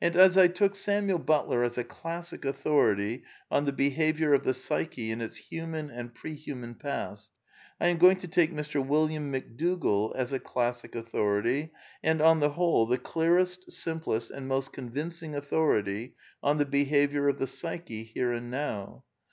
And as I took Samuel Butler as a classic authority on the behaviour of the nsvch e in its human and pre human paatr I am going to take Mr. William McDougall as a classic authority — and on the whole, the clearest, simplest, and most convincing authority — on the bfihflvimrr ^f t,]]fi psyche here an^jaajv.